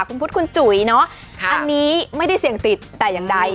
คุณพุทธคุณจุ๋ยเนอะอันนี้ไม่ได้เสี่ยงติดแต่อย่างใด